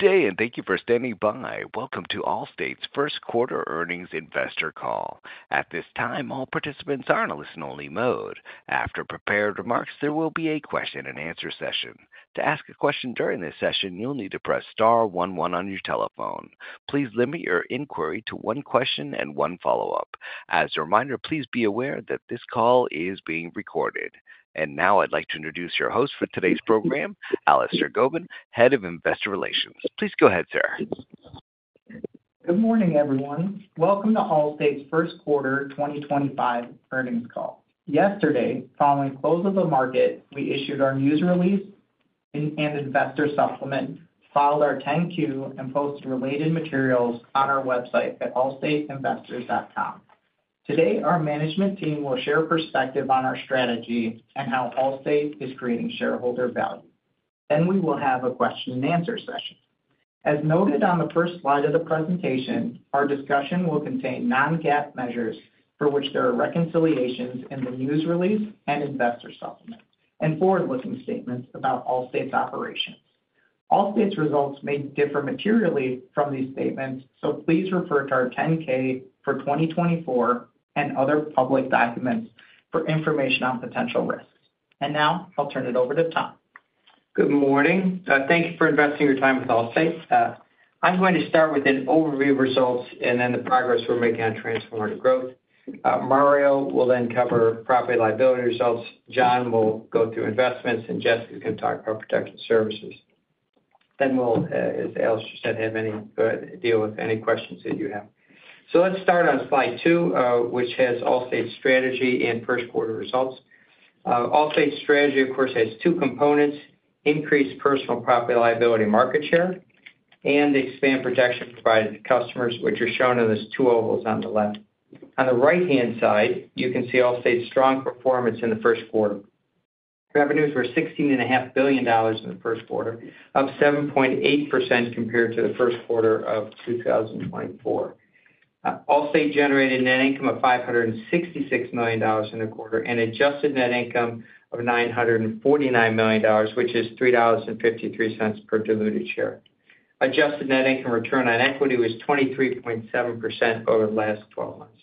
Good day, and thank you for standing by. Welcome to Allstate's First Quarter Earnings Investor Call. At this time, all participants are in a listen-only mode. After prepared remarks, there will be a question-and-answer session. To ask a question during this session, you'll need to press star one-one on your telephone. Please limit your inquiry to one question and one follow-up. As a reminder, please be aware that this call is being recorded. Now, I'd like to introduce your host for today's program, Allister Gobin, Head of Investor Relations. Please go ahead, sir. Good morning, everyone. Welcome to Allstate's First Quarter 2025 Earnings Call. Yesterday, following close of the market, we issued our news release and investor supplement, filed our 10-Q, and posted related materials on our website at allstateinvestors.com. Today, our management team will share perspective on our strategy and how Allstate is creating shareholder value. We will have a question-and-answer session. As noted on the first slide of the presentation, our discussion will contain non-GAAP measures for which there are reconciliations in the news release and investor supplement, and forward-looking statements about Allstate's operations. Allstate's results may differ materially from these statements, so please refer to our 10-K for 2024 and other public documents for information on potential risks. I will turn it over to Tom. Good morning. Thank you for investing your time with Allstate. I'm going to start with an overview of results and then the progress we're making on transformative growth. Mario will then cover property liability results. John will go through investments, and Jesse is going to talk about protection services. As Allister said, we will deal with any questions that you have. Let's start on slide two, which has Allstate's strategy and first quarter results. Allstate's strategy, of course, has two components: increase personal property liability market share and expand protection provided to customers, which are shown in these two ovals on the left. On the right-hand side, you can see Allstate's strong performance in the first quarter. Revenues were $16.5 billion in the first quarter, up 7.8% compared to the first quarter of 2024. Allstate generated net income of $566 million in the quarter and adjusted net income of $949 million, which is $3.53 per diluted share. Adjusted net income return on equity was 23.7% over the last 12 months.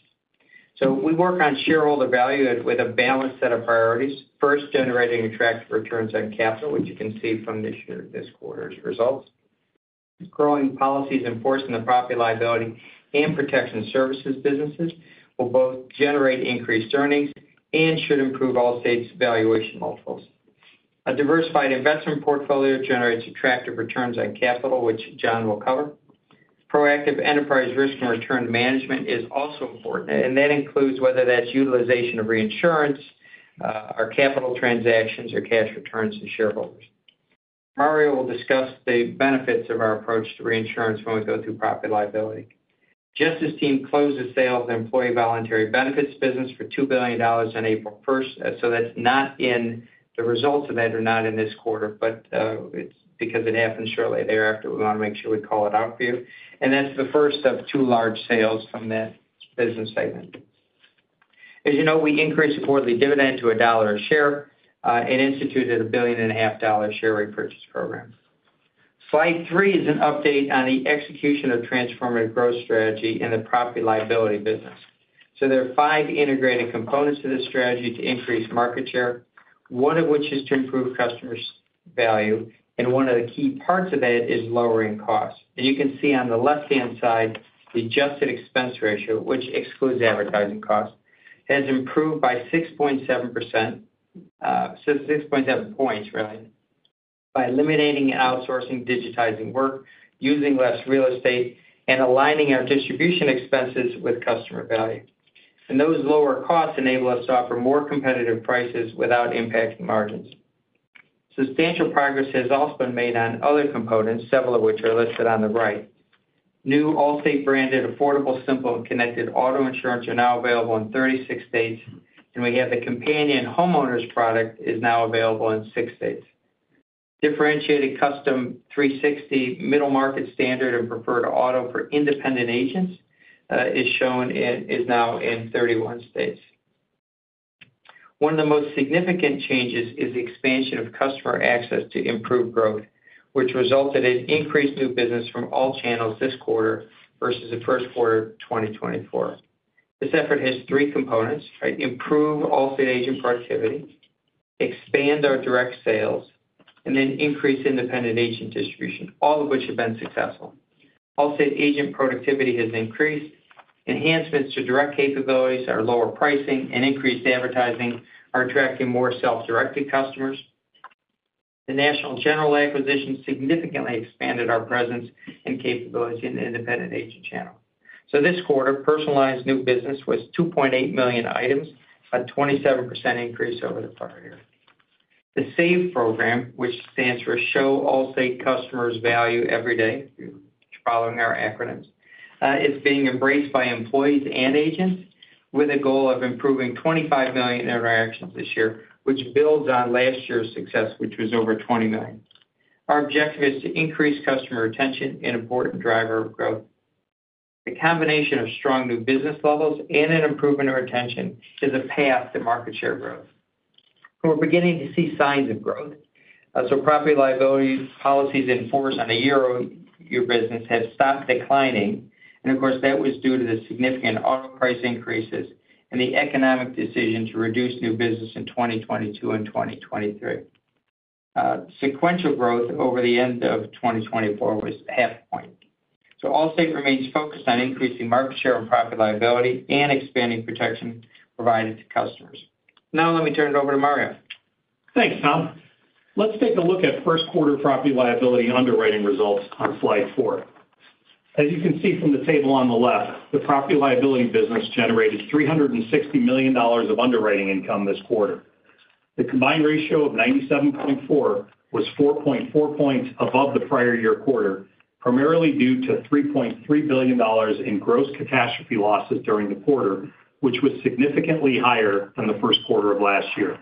We work on shareholder value with a balanced set of priorities, first generating attractive returns on capital, which you can see from this quarter's results. Growing policies in force in the property liability and protection services businesses will both generate increased earnings and should improve Allstate's valuation multiples. A diversified investment portfolio generates attractive returns on capital, which John will cover. Proactive enterprise risk and return management is also important, and that includes whether that's utilization of reinsurance, our capital transactions, or cash returns to shareholders. Mario will discuss the benefits of our approach to reinsurance when we go through property liability. Justice Team closed the sale of the employee voluntary benefits business for $2 billion on April 1st. That's not in the results of that are not in this quarter, but it's because it happened shortly thereafter. We want to make sure we call it out for you. That's the first of two large sales from that business segment. As you know, we increased supported dividend to a dollar a share and instituted a $1.5 billion share repurchase program. Slide three is an update on the execution of transformative growth strategy in the property liability business. There are five integrated components to this strategy to increase market share, one of which is to improve customer value, and one of the key parts of that is lowering costs. You can see on the left-hand side, the adjusted expense ratio, which excludes advertising costs, has improved by 6.7%, 6.7 points, really, by eliminating and outsourcing digitizing work, using less real estate, and aligning our distribution expenses with customer value. Those lower costs enable us to offer more competitive prices without impacting margins. Substantial progress has also been made on other components, several of which are listed on the right. New Allstate-branded Affordable, Simple, and Connected auto insurance are now available in 36 states, and we have the companion homeowners product is now available in six states. Differentiated Custom 360, middle market standard, and preferred auto for independent agents is shown is now in 31 states. One of the most significant changes is the expansion of customer access to improve growth, which resulted in increased new business from all channels this quarter versus the first quarter of 2024. This effort has three components: improve Allstate agent productivity, expand our direct sales, and then increase independent agent distribution, all of which have been successful. Allstate agent productivity has increased. Enhancements to direct capabilities are lower pricing, and increased advertising are attracting more self-directed customers. The National General acquisition significantly expanded our presence and capability in the independent agent channel. This quarter, personalized new business was 2.8 million items, a 27% increase over the prior year. The SAVE program, which stands for Show Allstate Customers Value Every Day, following our acronyms, is being embraced by employees and agents with a goal of improving 25 million interactions this year, which builds on last year's success, which was over 20 million. Our objective is to increase customer retention, an important driver of growth. The combination of strong new business levels and an improvement in retention is a path to market share growth. We're beginning to see signs of growth. Property-liability policies in force on a year-over-year basis have stopped declining. That was due to the significant auto price increases and the economic decision to reduce new business in 2022 and 2023. Sequential growth over the end of 2024 was half a point. Allstate remains focused on increasing market share in property-liability and expanding protection provided to customers. Now, let me turn it over to Mario. Thanks, Tom. Let's take a look at first quarter property liability underwriting results on slide four. As you can see from the table on the left, the property liability business generated $360 million of underwriting income this quarter. The combined ratio of 97.4 was 4.4 percentage points above the prior year quarter, primarily due to $3.3 billion in gross catastrophe losses during the quarter, which was significantly higher than the first quarter of last year.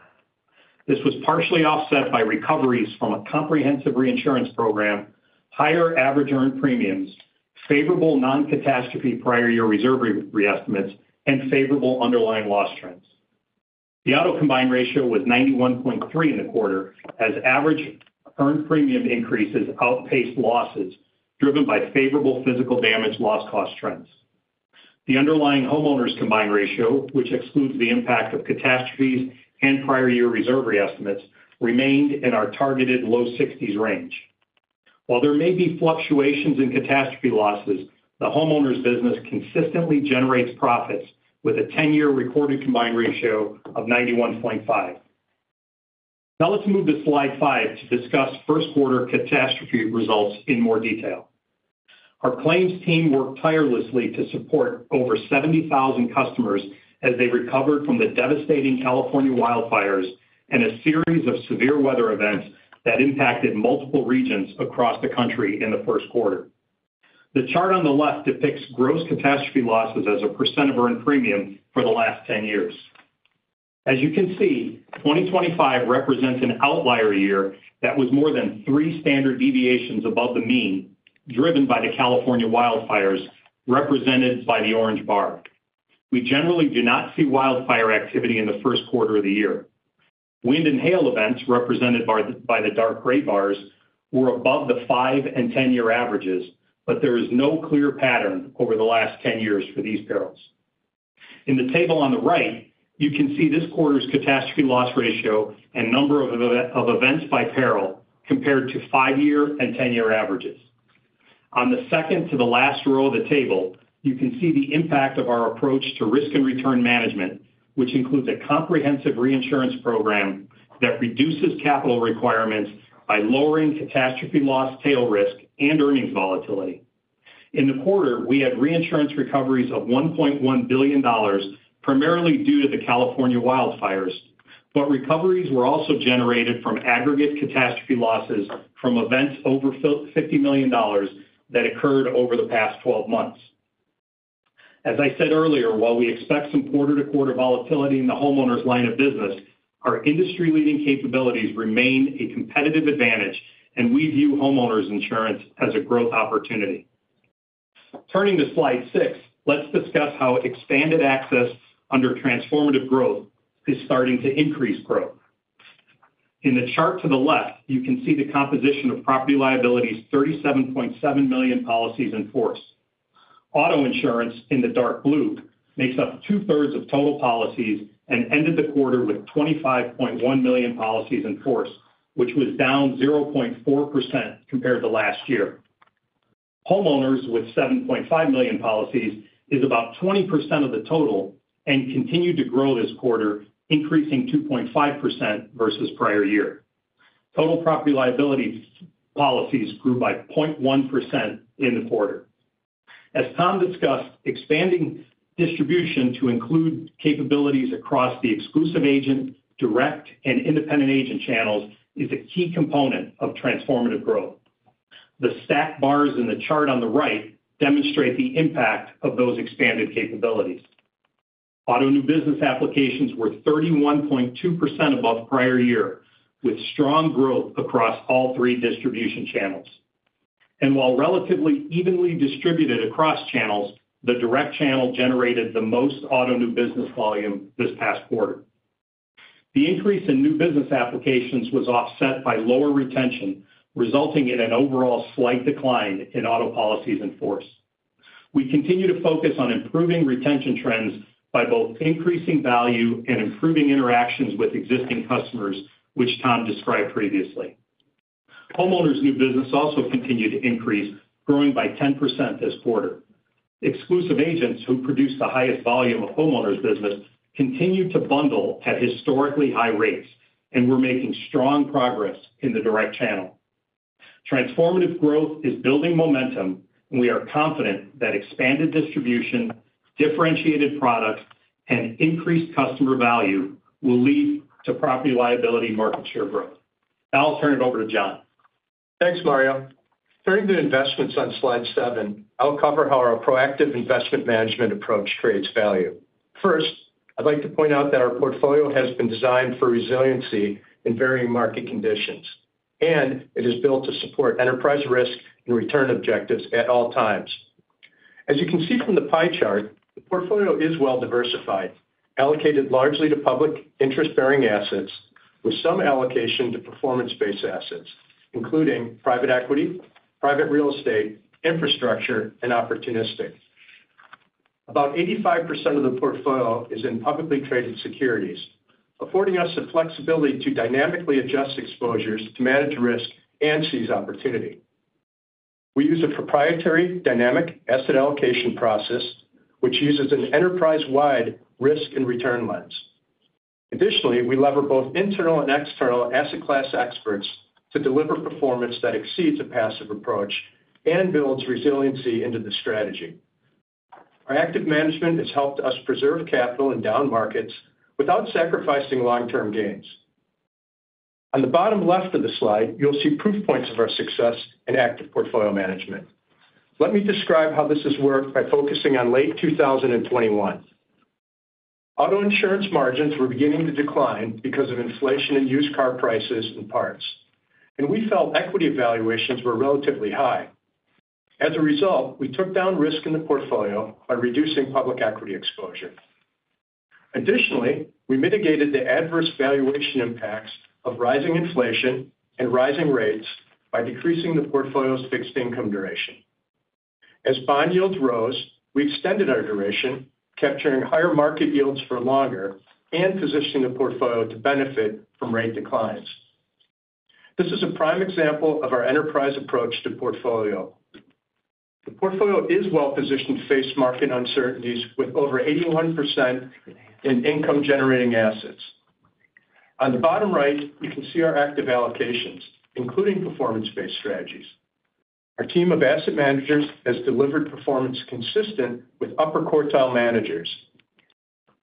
This was partially offset by recoveries from a comprehensive reinsurance program, higher average earned premiums, favorable non-catastrophe prior year reserve re-estimates, and favorable underlying loss trends. The auto combined ratio was 91.3 in the quarter, as average earned premium increases outpaced losses driven by favorable physical damage loss cost trends. The underlying homeowners combined ratio, which excludes the impact of catastrophes and prior year reserve re-estimates, remained in our targeted low 60s range. While there may be fluctuations in catastrophe losses, the homeowners business consistently generates profits with a 10-year recorded combined ratio of 91.5%. Now, let's move to slide five to discuss first quarter catastrophe results in more detail. Our claims team worked tirelessly to support over 70,000 customers as they recovered from the devastating California wildfires and a series of severe weather events that impacted multiple regions across the country in the first quarter. The chart on the left depicts gross catastrophe losses as a percent of earned premium for the last 10 years. As you can see, 2025 represents an outlier year that was more than three standard deviations above the mean, driven by the California wildfires represented by the orange bar. We generally do not see wildfire activity in the first quarter of the year. Wind and hail events represented by the dark gray bars were above the five and 10-year averages, but there is no clear pattern over the last 10 years for these perils. In the table on the right, you can see this quarter's catastrophe loss ratio and number of events by peril compared to five-year and 10-year averages. On the second to the last row of the table, you can see the impact of our approach to risk and return management, which includes a comprehensive reinsurance program that reduces capital requirements by lowering catastrophe loss tail risk and earnings volatility. In the quarter, we had reinsurance recoveries of $1.1 billion, primarily due to the California wildfires, but recoveries were also generated from aggregate catastrophe losses from events over $50 million that occurred over the past 12 months. As I said earlier, while we expect some quarter-to-quarter volatility in the homeowners line of business, our industry-leading capabilities remain a competitive advantage, and we view homeowners insurance as a growth opportunity. Turning to slide six, let's discuss how expanded access under Transformative Growth is starting to increase growth. In the chart to the left, you can see the composition of property-liability: 37.7 million policies in force. Auto insurance in the dark blue makes up two-thirds of total policies and ended the quarter with 25.1 million policies in force, which was down 0.4% compared to last year. Homeowners with 7.5 million policies is about 20% of the total and continued to grow this quarter, increasing 2.5% versus prior year. Total property-liability policies grew by 0.1% in the quarter. As Tom discussed, expanding distribution to include capabilities across the exclusive agent, direct, and independent agent channels is a key component of transformative growth. The stacked bars in the chart on the right demonstrate the impact of those expanded capabilities. Auto new business applications were 31.2% above prior year, with strong growth across all three distribution channels. While relatively evenly distributed across channels, the direct channel generated the most auto new business volume this past quarter. The increase in new business applications was offset by lower retention, resulting in an overall slight decline in auto policies in force. We continue to focus on improving retention trends by both increasing value and improving interactions with existing customers, which Tom described previously. Homeowners new business also continued to increase, growing by 10% this quarter. Exclusive agents who produce the highest volume of homeowners business continued to bundle at historically high rates and were making strong progress in the direct channel. Transformative growth is building momentum, and we are confident that expanded distribution, differentiated products, and increased customer value will lead to property liability market share growth. I'll turn it over to John. Thanks, Mario. During the investments on slide seven, I'll cover how our proactive investment management approach creates value. First, I'd like to point out that our portfolio has been designed for resiliency in varying market conditions, and it is built to support enterprise risk and return objectives at all times. As you can see from the pie chart, the portfolio is well diversified, allocated largely to public interest-bearing assets, with some allocation to performance-based assets, including private equity, private real estate, infrastructure, and opportunistic. About 85% of the portfolio is in publicly traded securities, affording us the flexibility to dynamically adjust exposures to manage risk and seize opportunity. We use a proprietary dynamic asset allocation process, which uses an enterprise-wide risk and return lens. Additionally, we lever both internal and external asset class experts to deliver performance that exceeds a passive approach and builds resiliency into the strategy. Our active management has helped us preserve capital in down markets without sacrificing long-term gains. On the bottom left of the slide, you'll see proof points of our success in active portfolio management. Let me describe how this has worked by focusing on late 2021. Auto insurance margins were beginning to decline because of inflation and used car prices and parts, and we felt equity valuations were relatively high. As a result, we took down risk in the portfolio by reducing public equity exposure. Additionally, we mitigated the adverse valuation impacts of rising inflation and rising rates by decreasing the portfolio's fixed income duration. As bond yields rose, we extended our duration, capturing higher market yields for longer and positioning the portfolio to benefit from rate declines. This is a prime example of our enterprise approach to portfolio. The portfolio is well-positioned to face market uncertainties with over 81% in income-generating assets. On the bottom right, you can see our active allocations, including performance-based strategies. Our team of asset managers has delivered performance consistent with upper quartile managers.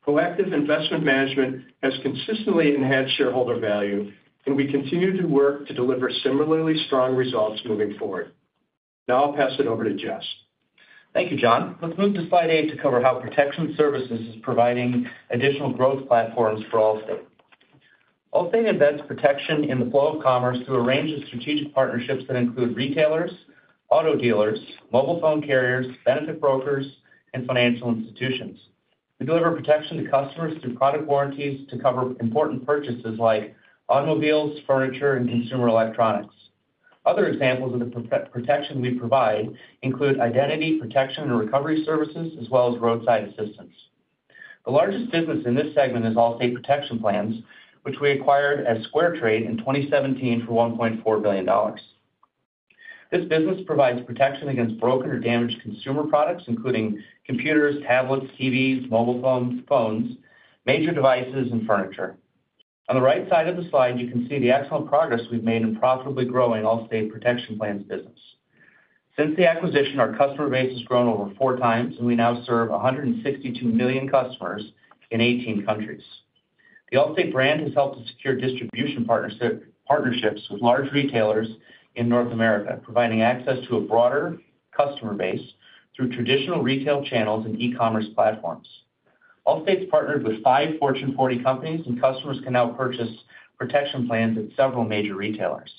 Proactive investment management has consistently enhanced shareholder value, and we continue to work to deliver similarly strong results moving forward. Now, I'll pass it over to Jess. Thank you, John. Let's move to slide eight to cover how Protection Services is providing additional growth platforms for Allstate. Allstate invests protection in the flow of commerce through a range of strategic partnerships that include retailers, auto dealers, mobile phone carriers, benefit brokers, and financial institutions. We deliver protection to customers through product warranties to cover important purchases like automobiles, furniture, and consumer electronics. Other examples of the protection we provide include identity protection and recovery services, as well as roadside assistance. The largest business in this segment is Allstate Protection Plans, which we acquired as SquareTrade in 2017 for $1.4 billion. This business provides protection against broken or damaged consumer products, including computers, tablets, TVs, mobile phones, major devices, and furniture. On the right side of the slide, you can see the excellent progress we've made in profitably growing Allstate Protection Plans business. Since the acquisition, our customer base has grown over four times, and we now serve 162 million customers in 18 countries. The Allstate brand has helped to secure distribution partnerships with large retailers in North America, providing access to a broader customer base through traditional retail channels and e-commerce platforms. Allstate's partnered with five Fortune 40 companies, and customers can now purchase Protection Plans at several major retailers.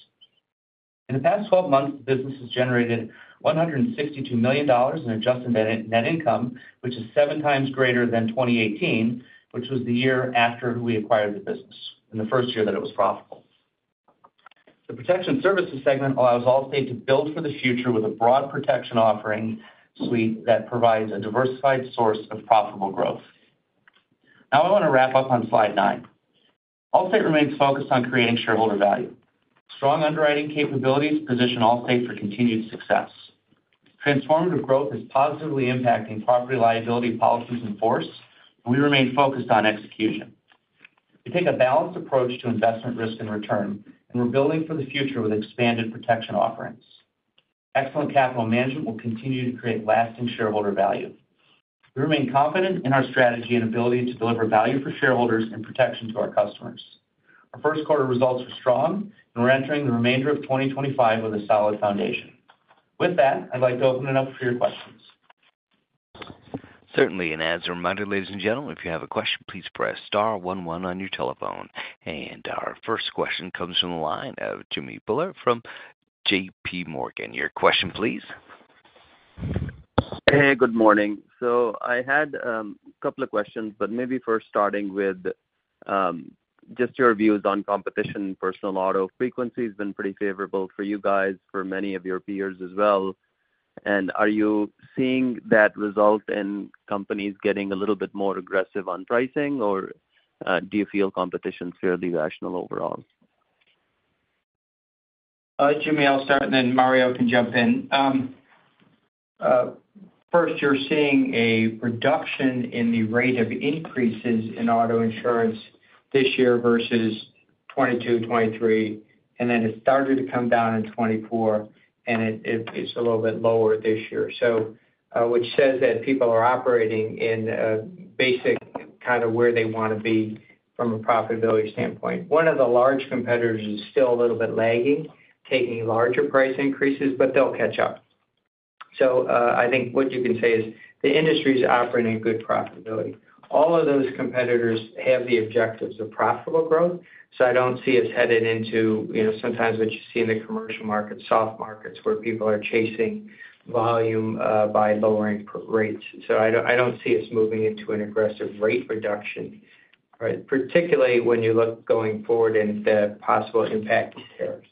In the past 12 months, the business has generated $162 million in adjusted net income, which is seven times greater than 2018, which was the year after we acquired the business, in the first year that it was profitable. The Protection Services segment allows Allstate to build for the future with a broad protection offering suite that provides a diversified source of profitable growth. Now, I want to wrap up on slide nine. Allstate remains focused on creating shareholder value. Strong underwriting capabilities position Allstate for continued success. Transformative growth is positively impacting property-liability policies in force, and we remain focused on execution. We take a balanced approach to investment risk and return, and we're building for the future with expanded protection offerings. Excellent capital management will continue to create lasting shareholder value. We remain confident in our strategy and ability to deliver value for shareholders and protection to our customers. Our first quarter results are strong, and we're entering the remainder of 2025 with a solid foundation. With that, I'd like to open it up for your questions. Certainly. As a reminder, ladies and gentlemen, if you have a question, please press star one one on your telephone. Our first question comes from the line of Jimmy Bhullar from JPMorgan. Your question, please. Hey, good morning. I had a couple of questions, but maybe first starting with just your views on competition. Personal auto frequency has been pretty favorable for you guys, for many of your peers as well. Are you seeing that result in companies getting a little bit more aggressive on pricing, or do you feel competition's fairly rational overall? Jimmy, I'll start, and then Mario can jump in. First, you're seeing a reduction in the rate of increases in auto insurance this year versus 2022, 2023, and then it started to come down in 2024, and it's a little bit lower this year, which says that people are operating in basic kind of where they want to be from a profitability standpoint. One of the large competitors is still a little bit lagging, taking larger price increases, but they'll catch up. I think what you can say is the industry is operating in good profitability. All of those competitors have the objectives of profitable growth, so I don't see us headed into sometimes what you see in the commercial markets, soft markets, where people are chasing volume by lowering rates. I don't see us moving into an aggressive rate reduction, particularly when you look going forward in the possible impact of tariffs.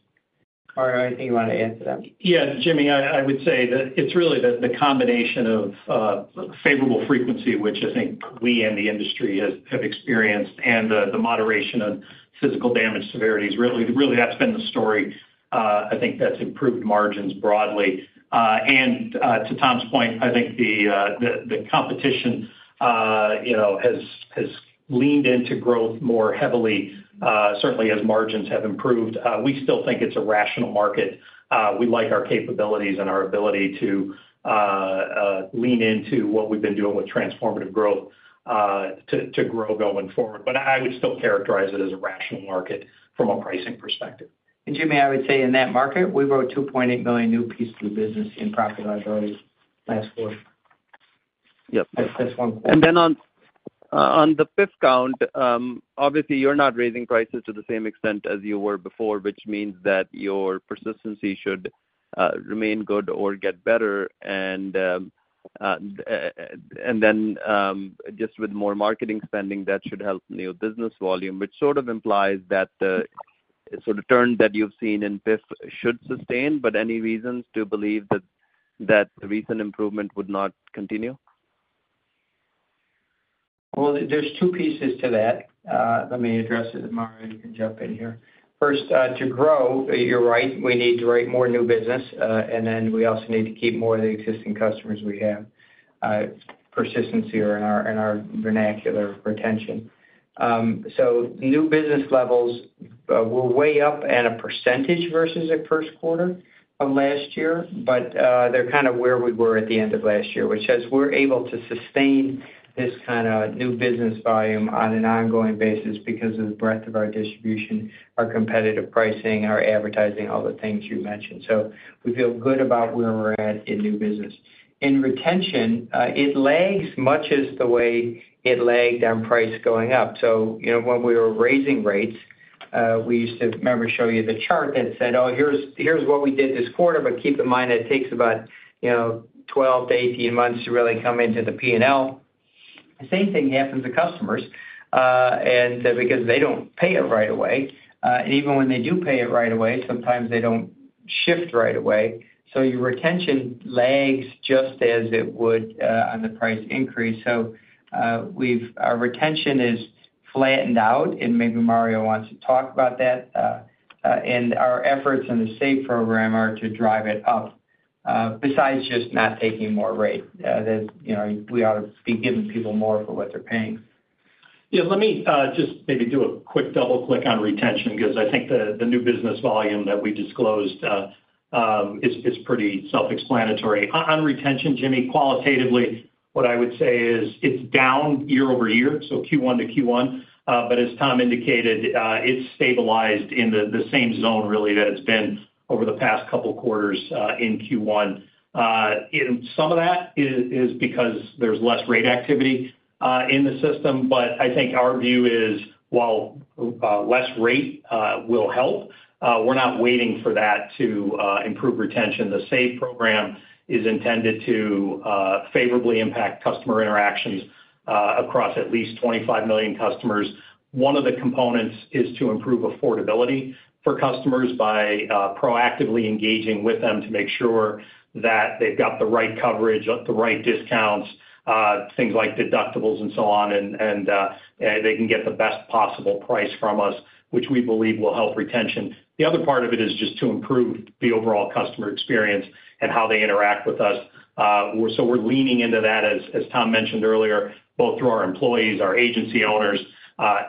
Mario, anything you want to add to that? Yeah, Jimmy, I would say that it's really the combination of favorable frequency, which I think we and the industry have experienced, and the moderation of physical damage severity has really, that's been the story. I think that's improved margins broadly. To Tom's point, I think the competition has leaned into growth more heavily, certainly as margins have improved. We still think it's a rational market. We like our capabilities and our ability to lean into what we've been doing with transformative growth to grow going forward. I would still characterize it as a rational market from a pricing perspective. Jimmy, I would say in that market, we wrote 2.8 million new pieces of business in property-liability last quarter. Yep. That's one quarter. On the fifth count, obviously, you're not raising prices to the same extent as you were before, which means that your persistency should remain good or get better. Just with more marketing spending, that should help new business volume, which sort of implies that the sort of turn that you've seen in fifth should sustain. Any reasons to believe that the recent improvement would not continue? There are two pieces to that. Let me address it, and Mario can jump in here. First, to grow, you're right. We need to write more new business, and then we also need to keep more of the existing customers we have. Persistency in our vernacular retention. New business levels were way up at a percentage versus the first quarter of last year, but they're kind of where we were at the end of last year, which says we're able to sustain this kind of new business volume on an ongoing basis because of the breadth of our distribution, our competitive pricing, our advertising, all the things you mentioned. We feel good about where we're at in new business. In retention, it lags much as the way it lagged on price going up. When we were raising rates, we used to remember show you the chart that said, "Oh, here's what we did this quarter," but keep in mind it takes about 12 to 18 months to really come into the P&L. The same thing happens to customers because they do not pay it right away. Even when they do pay it right away, sometimes they do not shift right away. Your retention lags just as it would on the price increase. Our retention is flattened out, and maybe Mario wants to talk about that. Our efforts in the state program are to drive it up besides just not taking more rate. We ought to be giving people more for what they are paying. Yeah, let me just maybe do a quick double-click on retention because I think the new business volume that we disclosed is pretty self-explanatory. On retention, Jimmy, qualitatively, what I would say is it's down year over year, so Q1 to Q1. As Tom indicated, it's stabilized in the same zone really that it's been over the past couple of quarters in Q1. Some of that is because there's less rate activity in the system. I think our view is while less rate will help, we're not waiting for that to improve retention. The SAVE program is intended to favorably impact customer interactions across at least 25 million customers. One of the components is to improve affordability for customers by proactively engaging with them to make sure that they've got the right coverage, the right discounts, things like deductibles and so on, and they can get the best possible price from us, which we believe will help retention. The other part of it is just to improve the overall customer experience and how they interact with us. We are leaning into that, as Tom mentioned earlier, both through our employees, our agency owners,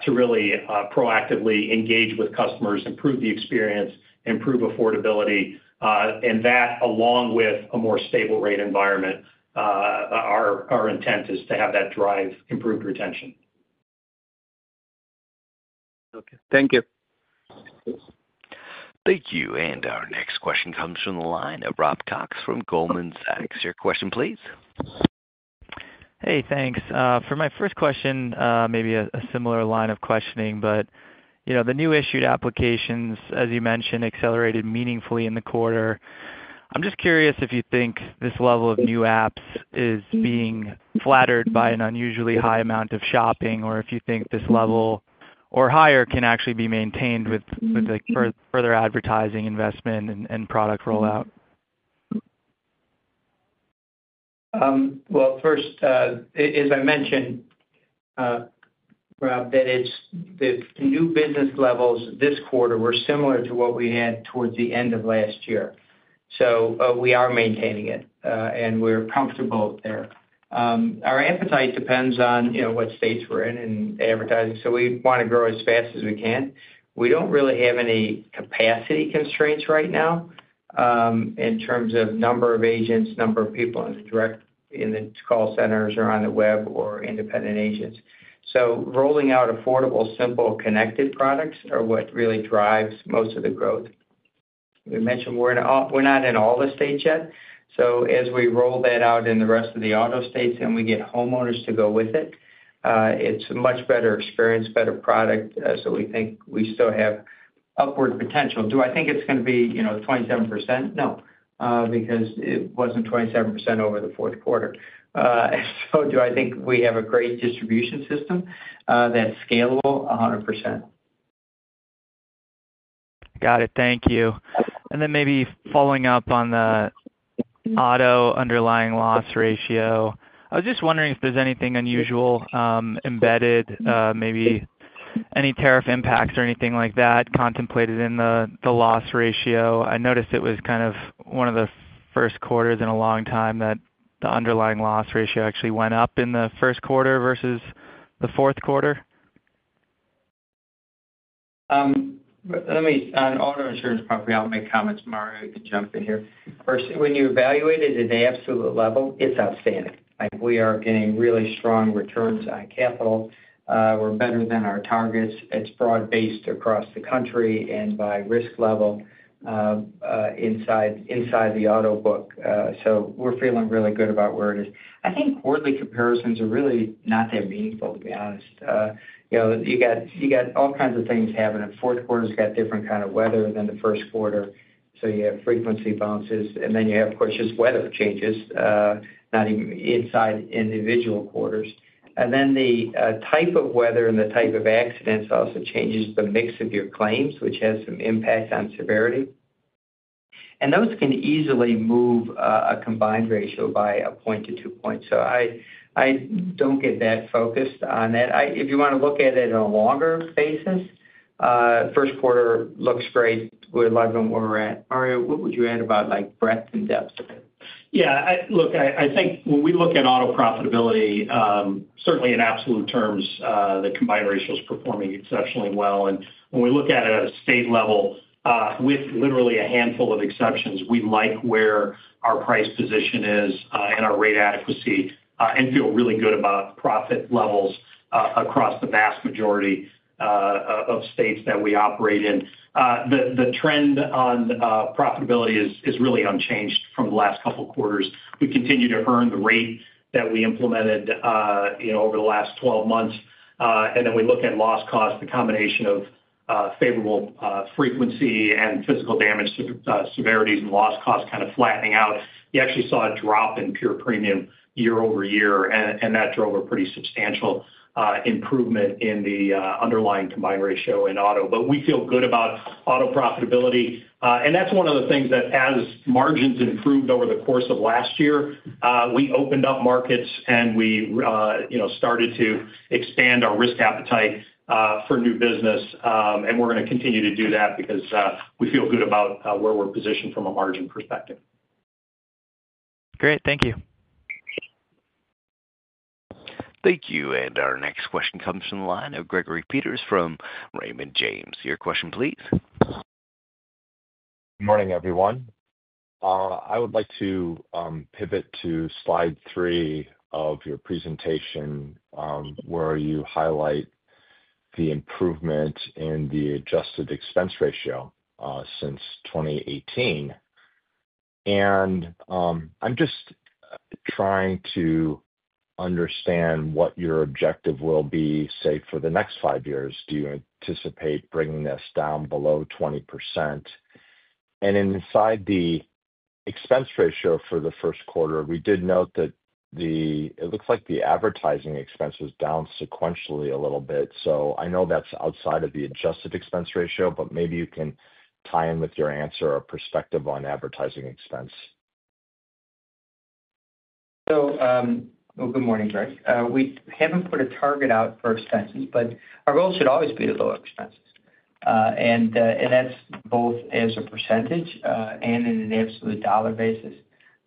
to really proactively engage with customers, improve the experience, improve affordability. That, along with a more stable rate environment, our intent is to have that drive improved retention. Okay. Thank you. Thank you. Our next question comes from the line of Rob Cox from Goldman Sachs. Your question, please. Hey, thanks. For my first question, maybe a similar line of questioning, but the new issued applications, as you mentioned, accelerated meaningfully in the quarter. I'm just curious if you think this level of new apps is being flattered by an unusually high amount of shopping, or if you think this level or higher can actually be maintained with further advertising investment and product rollout. First, as I mentioned, Rob, the new business levels this quarter were similar to what we had towards the end of last year. We are maintaining it, and we're comfortable there. Our appetite depends on what states we're in in advertising. We want to grow as fast as we can. We don't really have any capacity constraints right now in terms of number of agents, number of people in the call centers or on the web, or independent agents. Rolling out affordable, simple, connected products are what really drives most of the growth. We mentioned we're not in all the states yet. As we roll that out in the rest of the auto states and we get homeowners to go with it, it's a much better experience, better product. We think we still have upward potential. Do I think it's going to be 27%? No, because it wasn't 27% over the fourth quarter. Do I think we have a great distribution system that's scalable 100%? Got it. Thank you. Maybe following up on the auto underlying loss ratio, I was just wondering if there's anything unusual embedded, maybe any tariff impacts or anything like that contemplated in the loss ratio. I noticed it was kind of one of the first quarters in a long time that the underlying loss ratio actually went up in the first quarter versus the fourth quarter. On auto insurance property, I'll make comments. Mario can jump in here. When you evaluate it at an absolute level, it's outstanding. We are getting really strong returns on capital. We're better than our targets. It's broad-based across the country and by risk level inside the auto book. We're feeling really good about where it is. I think quarterly comparisons are really not that meaningful, to be honest. You got all kinds of things happening. Fourth quarter's got different kind of weather than the first quarter. You have frequency bounces, and then you have, of course, just weather changes, not even inside individual quarters. The type of weather and the type of accidents also changes the mix of your claims, which has some impact on severity. Those can easily move a combined ratio by a point to two points. I do not get that focused on that. If you want to look at it on a longer basis, first quarter looks great. We are a lot of them where we are at. Mario, what would you add about breadth and depth? Yeah. Look, I think when we look at auto profitability, certainly in absolute terms, the combined ratio is performing exceptionally well. When we look at it at a state level with literally a handful of exceptions, we like where our price position is and our rate adequacy and feel really good about profit levels across the vast majority of states that we operate in. The trend on profitability is really unchanged from the last couple of quarters. We continue to earn the rate that we implemented over the last 12 months. When we look at loss cost, the combination of favorable frequency and physical damage severities and loss cost kind of flattening out. You actually saw a drop in pure premium year over year, and that drove a pretty substantial improvement in the underlying combined ratio in auto. We feel good about auto profitability. That is one of the things that, as margins improved over the course of last year, we opened up markets and we started to expand our risk appetite for new business. We are going to continue to do that because we feel good about where we are positioned from a margin perspective. Great. Thank you. Thank you. Our next question comes from the line of Gregory Peters from Raymond James. Your question, please. Good morning, everyone. I would like to pivot to slide three of your presentation where you highlight the improvement in the adjusted expense ratio since 2018. I'm just trying to understand what your objective will be, say, for the next five years. Do you anticipate bringing this down below 20%? Inside the expense ratio for the first quarter, we did note that it looks like the advertising expense was down sequentially a little bit. I know that's outside of the adjusted expense ratio, but maybe you can tie in with your answer or perspective on advertising expense. Good morning, Greg. We have not put a target out for expenses, but our goal should always be to lower expenses. That is both as a percentage and on an absolute dollar basis.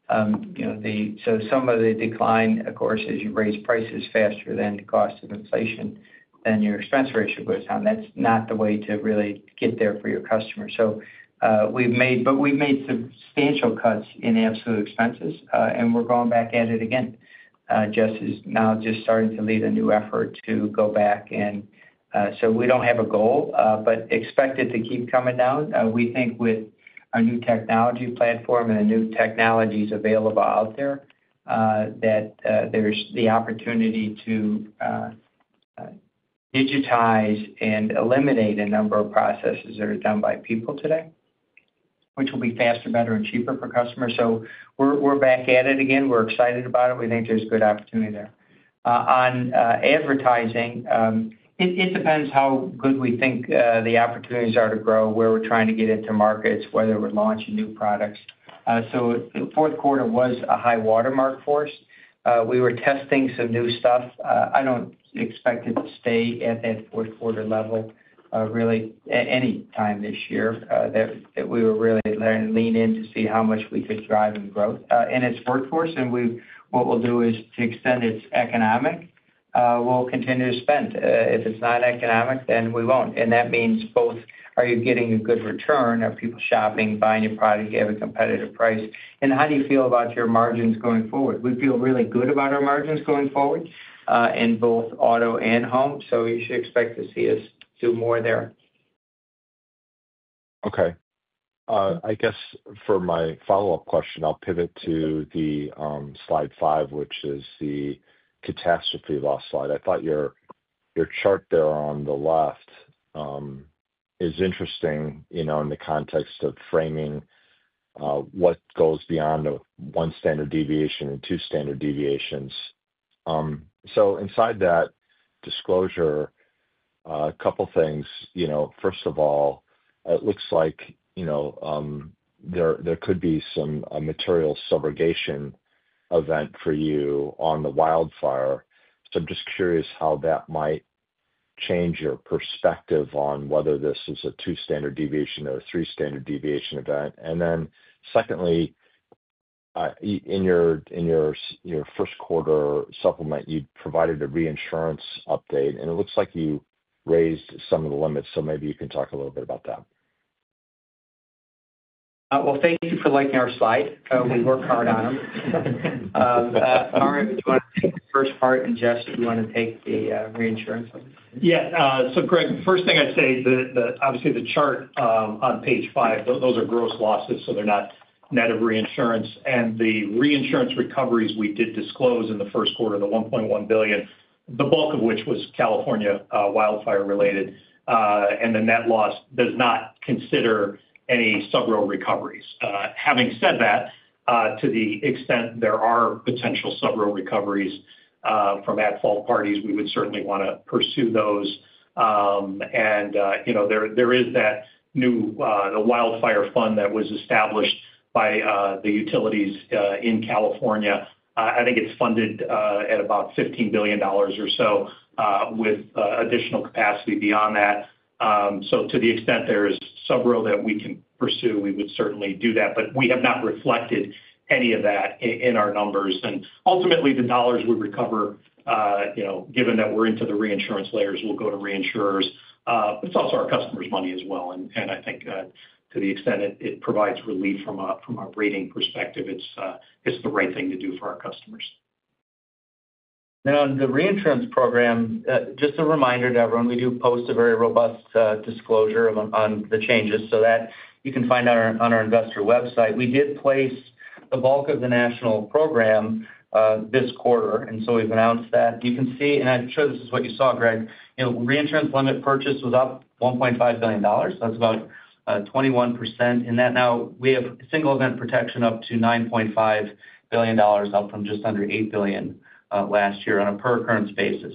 Some of the decline, of course, is as you raise prices faster than the cost of inflation, then your expense ratio goes down. That is not the way to really get there for your customers. We have made substantial cuts in absolute expenses, and we are going back at it again. Jess is now just starting to lead a new effort to go back. We do not have a goal, but expect it to keep coming down. We think with our new technology platform and the new technologies available out there, there is the opportunity to digitize and eliminate a number of processes that are done by people today, which will be faster, better, and cheaper for customers. We're back at it again. We're excited about it. We think there's good opportunity there. On advertising, it depends how good we think the opportunities are to grow, where we're trying to get into markets, whether we're launching new products. The fourth quarter was a high watermark for us. We were testing some new stuff. I don't expect it to stay at that fourth quarter level really any time this year that we were really leaning in to see how much we could drive in growth. It's worked for us. What we'll do is, to the extent it's economic, we'll continue to spend. If it's not economic, then we won't. That means both, are you getting a good return? Are people shopping, buying your product at a competitive price? How do you feel about your margins going forward? We feel really good about our margins going forward in both auto and home. You should expect to see us do more there. Okay. I guess for my follow-up question, I'll pivot to the slide five, which is the catastrophe loss slide. I thought your chart there on the left is interesting in the context of framing what goes beyond one standard deviation and two standard deviations. Inside that disclosure, a couple of things. First of all, it looks like there could be some material subrogation event for you on the wildfire. I'm just curious how that might change your perspective on whether this is a two-standard deviation or a three-standard deviation event. In your first quarter supplement, you provided a reinsurance update. It looks like you raised some of the limits. Maybe you can talk a little bit about that. Thank you for liking our slide. We work hard on them. Mario, do you want to take the first part? Jess, do you want to take the reinsurance? Yeah. Greg, the first thing I'd say is that, obviously, the chart on page five, those are gross losses, so they're not net of reinsurance. The reinsurance recoveries we did disclose in the first quarter, the $1.1 billion, the bulk of which was California wildfire related, and the net loss does not consider any subrogation recoveries. Having said that, to the extent there are potential subrogation recoveries from at-fault parties, we would certainly want to pursue those. There is that new wildfire fund that was established by the utilities in California. I think it's funded at about $15 billion or so with additional capacity beyond that. To the extent there is subrogation that we can pursue, we would certainly do that. We have not reflected any of that in our numbers. Ultimately, the dollars we recover, given that we're into the reinsurance layers, will go to reinsurers. It's also our customers' money as well. I think, to the extent it provides relief from a rating perspective, it's the right thing to do for our customers. Now, on the reinsurance program, just a reminder to everyone, we do post a very robust disclosure on the changes so that you can find out on our investor website. We did place the bulk of the national program this quarter. We have announced that. You can see, and I'm sure this is what you saw, Greg, reinsurance limit purchase was up $1.5 billion. That's about 21% in that. Now, we have single event protection up to $9.5 billion, up from just under $8 billion last year on a per-occurrence basis.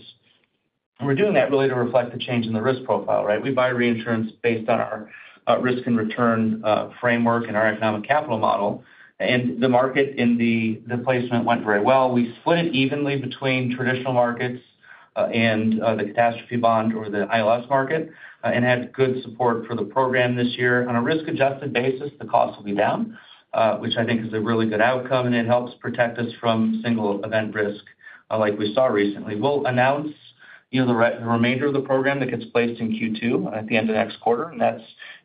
We are doing that really to reflect the change in the risk profile, right? We buy reinsurance based on our risk and return framework and our economic capital model. The market in the placement went very well. We split it evenly between traditional markets and the catastrophe bond or the ILS market and had good support for the program this year. On a risk-adjusted basis, the cost will be down, which I think is a really good outcome. It helps protect us from single event risk like we saw recently. We'll announce the remainder of the program that gets placed in Q2 at the end of next quarter.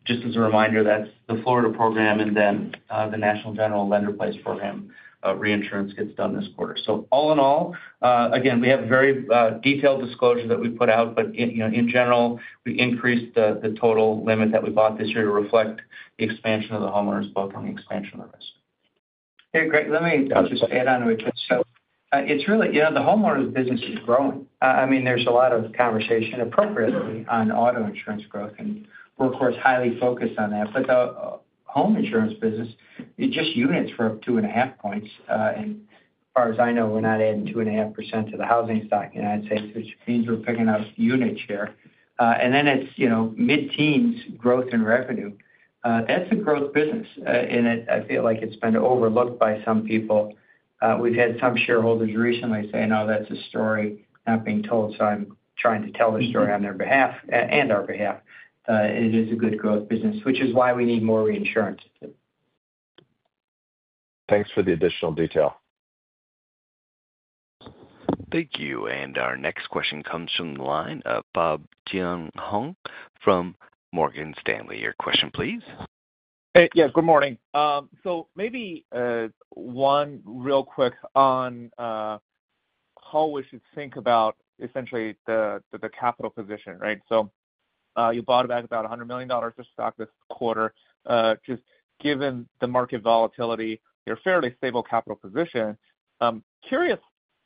Just as a reminder, that's the Florida program, and then the National General Lender Place program reinsurance gets done this quarter. All in all, again, we have very detailed disclosure that we put out. In general, we increased the total limit that we bought this year to reflect the expansion of the homeowners' book and the expansion of the risk. Okay, Greg, let me just add on to it. It is really the homeowners' business is growing. I mean, there is a lot of conversation appropriately on auto insurance growth, and we are, of course, highly focused on that. The home insurance business, just units were up 2.5 points. As far as I know, we are not adding 2.5% to the housing stock in the United States, which means we are picking up units here. It is mid-teens growth in revenue. That is a growth business. I feel like it has been overlooked by some people. We have had some shareholders recently say, "No, that is a story not being told." I am trying to tell the story on their behalf and our behalf. It is a good growth business, which is why we need more reinsurance. Thanks for the additional detail. Thank you. Our next question comes from the line of Bob Jian Huang from Morgan Stanley. Your question, please. Hey. Yeah. Good morning. Maybe one real quick on how we should think about, essentially, the capital position, right? You bought back about $100 million of stock this quarter. Just given the market volatility, your fairly stable capital position, curious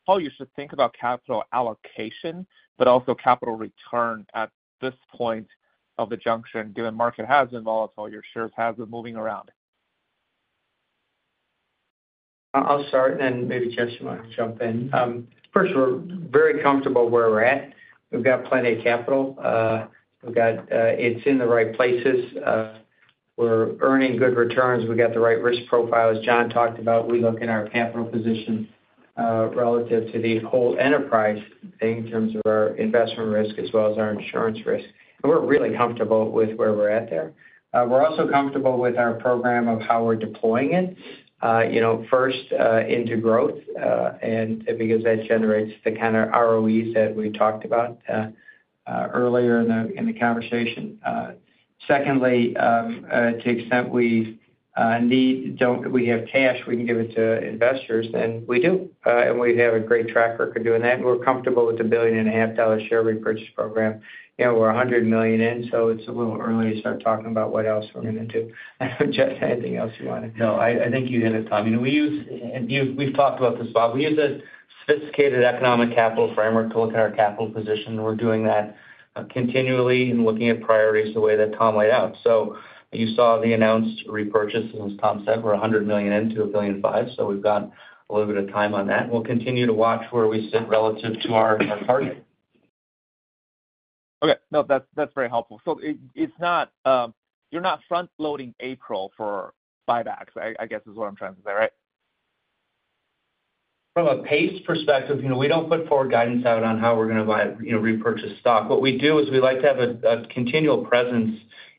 how you should think about capital allocation, but also capital return at this point of the junction, given market has been volatile, your shares have been moving around. I'll start, and then maybe Jess might jump in. First, we're very comfortable where we're at. We've got plenty of capital. It's in the right places. We're earning good returns. We've got the right risk profile. As John talked about, we look at our capital position relative to the whole enterprise in terms of our investment risk as well as our insurance risk. We're really comfortable with where we're at there. We're also comfortable with our program of how we're deploying it, first into growth, because that generates the kind of ROEs that we talked about earlier in the conversation. Secondly, to the extent we need, we have cash, we can give it to investors, then we do. We have a great track record doing that. We're comfortable with the billion and a half dollar share repurchase program. We're $100 million in, so it's a little early to start talking about what else we're going to do. I don't know, Jess, anything else you want to? No, I think you hit it, Tom. We've talked about this, Bob. We use a sophisticated economic capital framework to look at our capital position. We're doing that continually and looking at priorities the way that Tom laid out. You saw the announced repurchase, as Tom said, we're $100 million in to $1 billion and five. We've got a little bit of time on that. We'll continue to watch where we sit relative to our target. Okay. No, that's very helpful. You're not front-loading April for buybacks, I guess, is what I'm trying to say, right? From a pace perspective, we do not put forward guidance out on how we are going to repurchase stock. What we do is we like to have a continual presence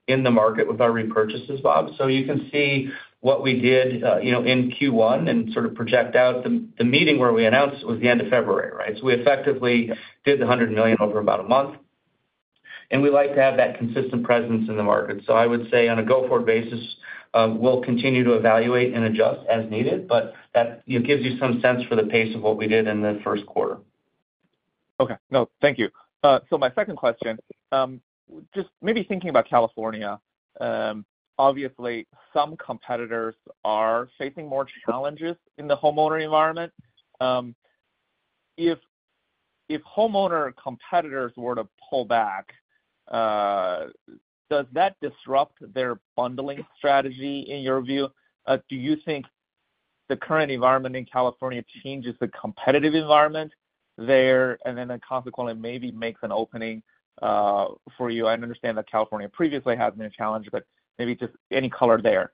in the market with our repurchases, Bob. You can see what we did in Q1 and sort of project out the meeting where we announced it was the end of February, right? We effectively did the $100 million over about a month. We like to have that consistent presence in the market. I would say, on a go-forward basis, we will continue to evaluate and adjust as needed, but that gives you some sense for the pace of what we did in the first quarter. Okay. No, thank you. My second question, just maybe thinking about California, obviously, some competitors are facing more challenges in the homeowner environment. If homeowner competitors were to pull back, does that disrupt their bundling strategy, in your view? Do you think the current environment in California changes the competitive environment there and then, consequently, maybe makes an opening for you? I understand that California previously has been a challenge, but maybe just any color there.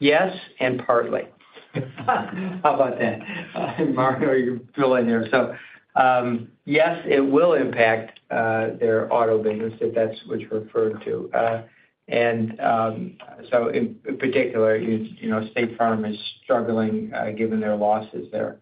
Yes, and partly. How about that? Mario, you fill in here. Yes, it will impact their auto business, if that's what you're referring to. In particular, State Farm is struggling given their losses there.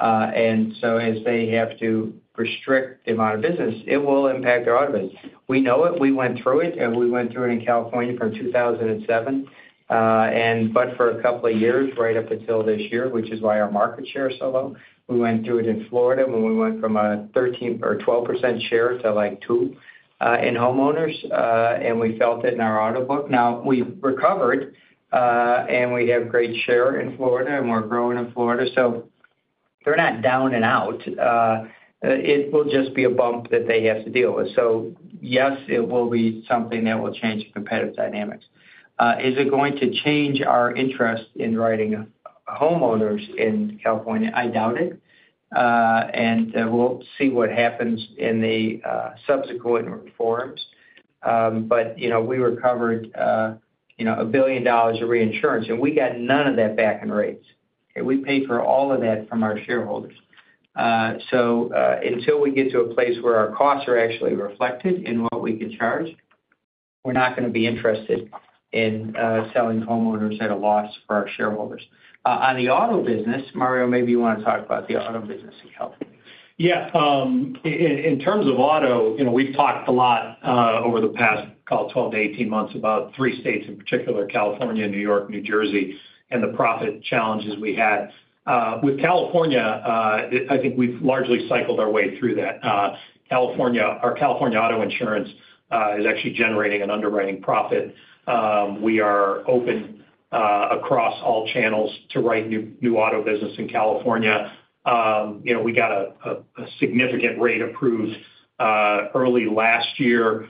As they have to restrict the amount of business, it will impact their auto business. We know it. We went through it. We went through it in California from 2007, but for a couple of years, right up until this year, which is why our market share is so low. We went through it in Florida when we went from a 13% or 12% share to like 2% in homeowners. We felt it in our auto book. Now, we've recovered, and we have great share in Florida, and we're growing in Florida. They're not down and out. It will just be a bump that they have to deal with. Yes, it will be something that will change the competitive dynamics. Is it going to change our interest in writing homeowners in California? I doubt it. We'll see what happens in the subsequent reforms. We recovered $1 billion of reinsurance, and we got none of that back in rates. We paid for all of that from our shareholders. Until we get to a place where our costs are actually reflected in what we can charge, we're not going to be interested in selling homeowners at a loss for our shareholders. On the auto business, Mario, maybe you want to talk about the auto business in California. Yeah. In terms of auto, we've talked a lot over the past, call it 12 to 18 months, about three states in particular: California, New York, New Jersey, and the profit challenges we had. With California, I think we've largely cycled our way through that. Our California auto insurance is actually generating an underwriting profit. We are open across all channels to write new auto business in California. We got a significant rate approved early last year.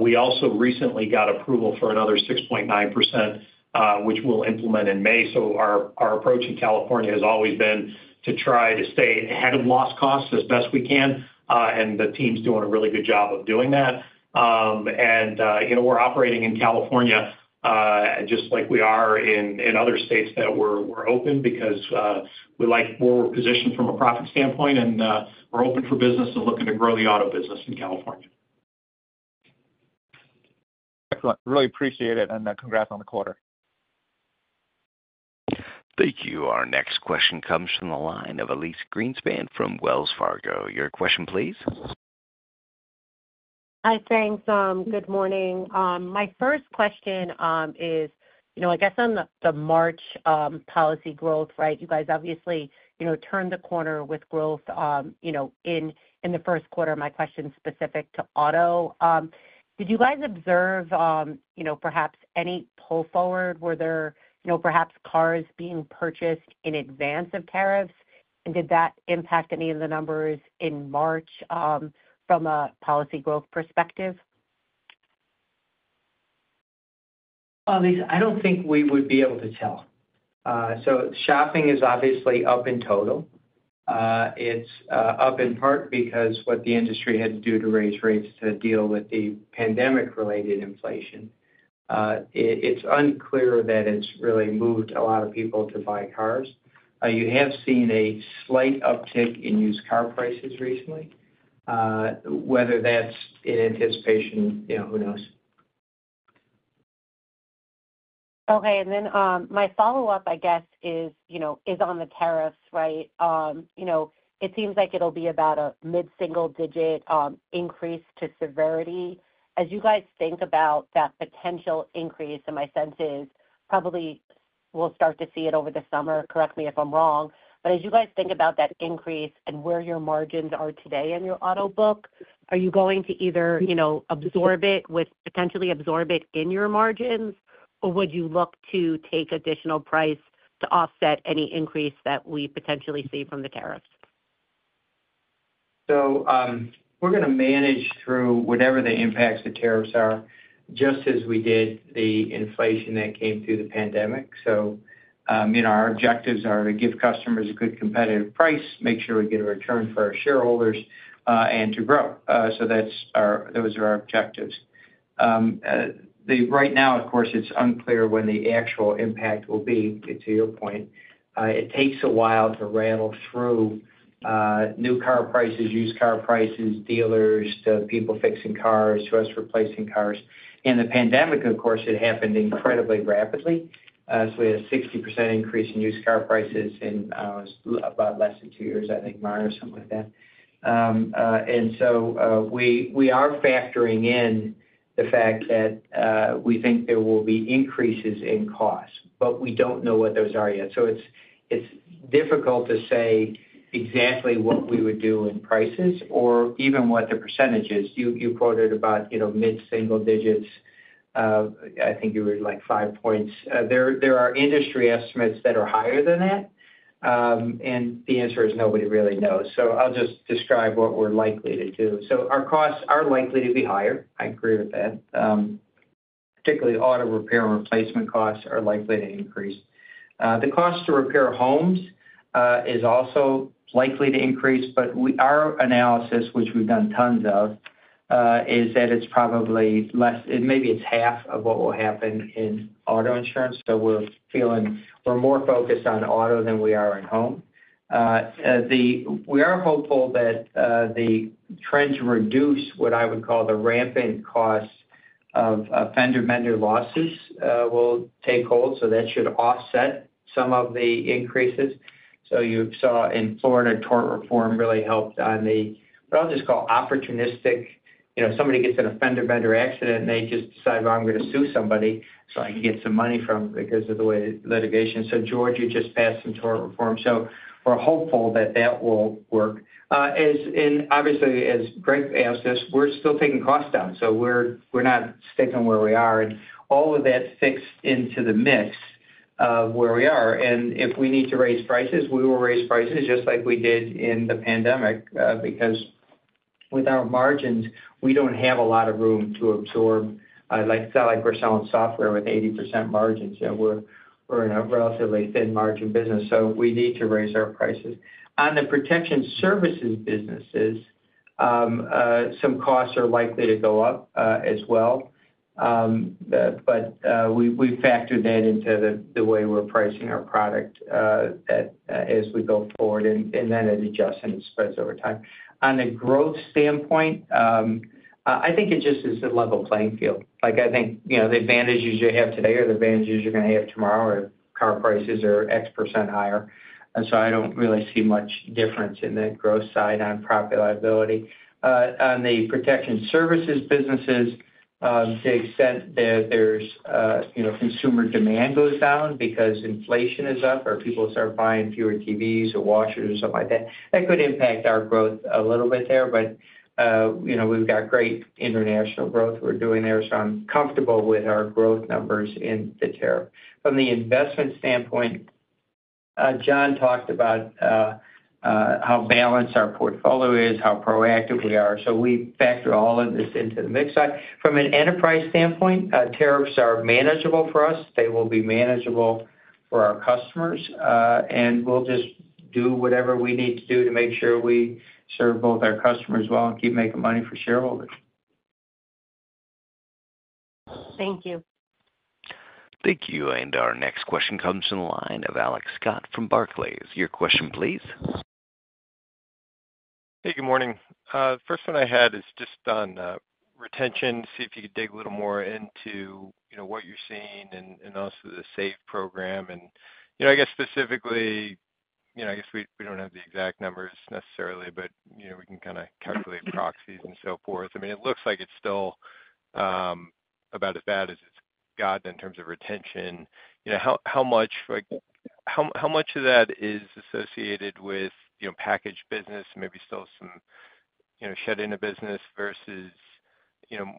We also recently got approval for another 6.9%, which we'll implement in May. Our approach in California has always been to try to stay ahead of loss costs as best we can. The team's doing a really good job of doing that. We are operating in California just like we are in other states that we are open because we like where we are positioned from a profit standpoint, and we are open for business and looking to grow the auto business in California. Excellent. Really appreciate it. Congrats on the quarter. Thank you. Our next question comes from the line of Elyse Greenspan from Wells Fargo. Your question, please. Hi, thanks. Good morning. My first question is, I guess, on the March policy growth, right? You guys obviously turned the corner with growth in the first quarter. My question's specific to auto. Did you guys observe perhaps any pull forward? Were there perhaps cars being purchased in advance of tariffs? And did that impact any of the numbers in March from a policy growth perspective? Elyse, I don't think we would be able to tell. Shopping is obviously up in total. It's up in part because what the industry had to do to raise rates to deal with the pandemic-related inflation. It's unclear that it's really moved a lot of people to buy cars. You have seen a slight uptick in used car prices recently. Whether that's in anticipation, who knows? Okay. My follow-up, I guess, is on the tariffs, right? It seems like it'll be about a mid-single-digit increase to severity. As you guys think about that potential increase, and my sense is probably we'll start to see it over the summer. Correct me if I'm wrong. As you guys think about that increase and where your margins are today in your auto book, are you going to either potentially absorb it in your margins, or would you look to take additional price to offset any increase that we potentially see from the tariffs? We're going to manage through whatever the impacts the tariffs are, just as we did the inflation that came through the pandemic. Our objectives are to give customers a good competitive price, make sure we get a return for our shareholders, and to grow. Those are our objectives. Right now, of course, it's unclear when the actual impact will be, to your point. It takes a while to rattle through new car prices, used car prices, dealers, to people fixing cars, to us replacing cars. In the pandemic, of course, it happened incredibly rapidly. We had a 60% increase in used car prices in about less than two years, I think, minus something like that. We are factoring in the fact that we think there will be increases in costs, but we don't know what those are yet. It's difficult to say exactly what we would do in prices or even what the percentage is. You quoted about mid-single digits. I think you were like five points. There are industry estimates that are higher than that. The answer is nobody really knows. I'll just describe what we're likely to do. Our costs are likely to be higher. I agree with that. Particularly, auto repair and replacement costs are likely to increase. The cost to repair homes is also likely to increase. Our analysis, which we've done tons of, is that it's probably less. Maybe it's half of what will happen in auto insurance. We're more focused on auto than we are in home. We are hopeful that the trends reduce what I would call the rampant costs of fundamental losses will take hold. That should offset some of the increases. You saw in Florida, tort reform really helped on the, what I'll just call opportunistic. Somebody gets in a fundamental accident, and they just decide, "I'm going to sue somebody so I can get some money from them because of the way litigation." Georgia just passed some tort reform. We're hopeful that that will work. Obviously, as Greg asked us, we're still taking costs down. We're not sticking where we are. All of that's fixed into the mix of where we are. If we need to raise prices, we will raise prices just like we did in the pandemic because with our margins, we don't have a lot of room to absorb. It's not like we're selling software with 80% margins. We're in a relatively thin margin business. We need to raise our prices. On the protection services businesses, some costs are likely to go up as well. We factor that into the way we're pricing our product as we go forward. It adjusts and it spreads over time. On a growth standpoint, I think it just is a level playing field. I think the advantages you have today are the advantages you're going to have tomorrow if car prices are X percent higher. I don't really see much difference in that growth side on property liability. On the protection services businesses, to the extent that consumer demand goes down because inflation is up or people start buying fewer TVs or washers or something like that, that could impact our growth a little bit there. We've got great international growth we're doing there. I'm comfortable with our growth numbers in the tariff. From the investment standpoint, John talked about how balanced our portfolio is, how proactive we are. We factor all of this into the mix side. From an enterprise standpoint, tariffs are manageable for us. They will be manageable for our customers. We'll just do whatever we need to do to make sure we serve both our customers well and keep making money for shareholders. Thank you. Thank you. Our next question comes from the line of Alex Scott from Barclays. Your question, please. Hey, good morning. The first one I had is just on retention. See if you could dig a little more into what you're seeing and also the SAVE program. I guess specifically, I guess we don't have the exact numbers necessarily, but we can kind of calculate proxies and so forth. I mean, it looks like it's still about as bad as it's gotten in terms of retention. How much of that is associated with package business, maybe still some shedding of business versus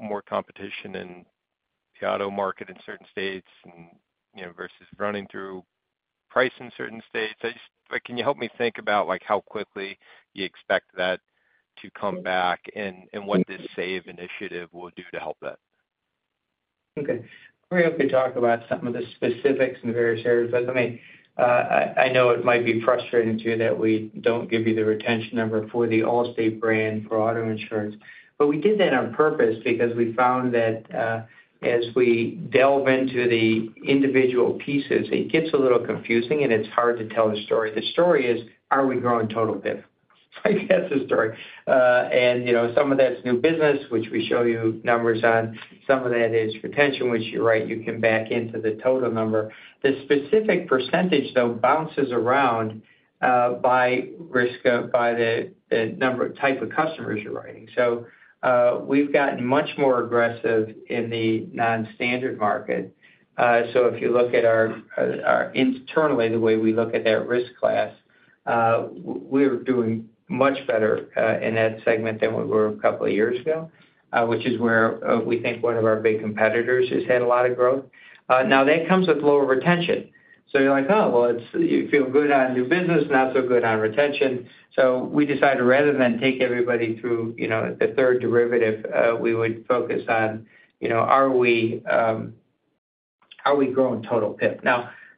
more competition in the auto market in certain states versus running through price in certain states? Can you help me think about how quickly you expect that to come back and what this SAVE initiative will do to help that? Okay. We could talk about some of the specifics and the various areas. I mean, I know it might be frustrating to you that we don't give you the retention number for the Allstate brand for auto insurance. We did that on purpose because we found that as we delve into the individual pieces, it gets a little confusing, and it's hard to tell the story. The story is, are we growing total PIF? I guess the story. Some of that's new business, which we show you numbers on. Some of that is retention, which you're right. You can back into the total number. The specific percentage, though, bounces around by the type of customers you're writing. We've gotten much more aggressive in the non-standard market. If you look at our internally, the way we look at that risk class, we're doing much better in that segment than we were a couple of years ago, which is where we think one of our big competitors has had a lot of growth. That comes with lower retention. You're like, "Oh, well, you feel good on new business, not so good on retention." We decided rather than take everybody through the third derivative, we would focus on, are we growing total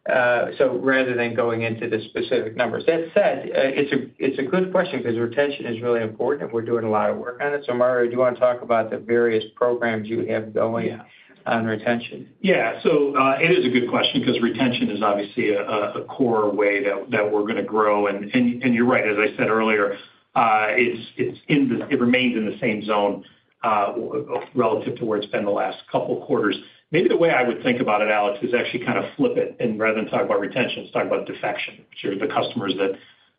PIF? Rather than going into the specific numbers. That said, it's a good question because retention is really important, and we're doing a lot of work on it. Mario, do you want to talk about the various programs you have going on retention? Yeah. It is a good question because retention is obviously a core way that we're going to grow. You're right. As I said earlier, it remains in the same zone relative to where it's been the last couple of quarters. Maybe the way I would think about it, Alex, is actually kind of flip it. Rather than talk about retention, let's talk about defection, which are the customers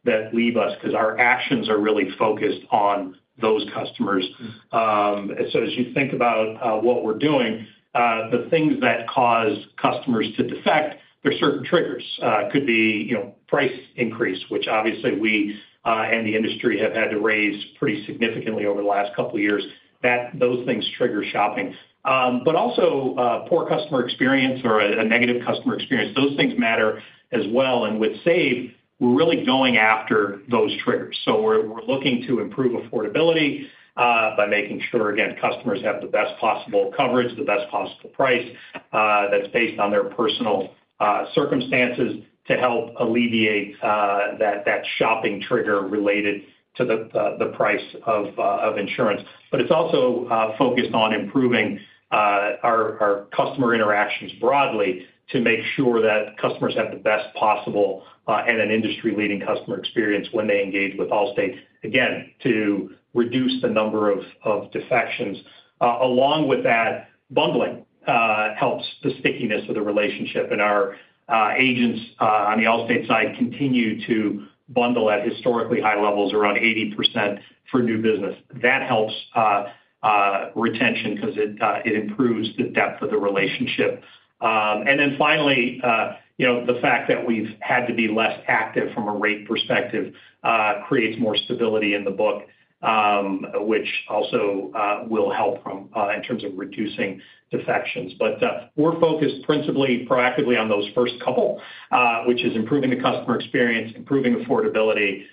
that leave us because our actions are really focused on those customers. As you think about what we're doing, the things that cause customers to defect, there are certain triggers. It could be price increase, which obviously we and the industry have had to raise pretty significantly over the last couple of years. Those things trigger shopping. Also poor customer experience or a negative customer experience. Those things matter as well. With SAVE, we're really going after those triggers. We're looking to improve affordability by making sure, again, customers have the best possible coverage, the best possible price that's based on their personal circumstances to help alleviate that shopping trigger related to the price of insurance. It's also focused on improving our customer interactions broadly to make sure that customers have the best possible and an industry-leading customer experience when they engage with Allstate, again, to reduce the number of defections. Along with that, bundling helps the stickiness of the relationship. Our agents on the Allstate side continue to bundle at historically high levels around 80% for new business. That helps retention because it improves the depth of the relationship. Finally, the fact that we have had to be less active from a rate perspective creates more stability in the book, which also will help in terms of reducing defections. We are focused principally proactively on those first couple, which is improving the customer experience, improving affordability,